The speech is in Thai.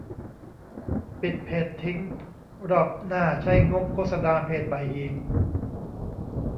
ปิดเพจทิ้ง รอบหน้าใช้งบโฆษณาเพจใหม่อีก ?